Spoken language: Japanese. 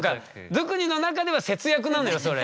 ドゥクニの中では節約なのよそれ。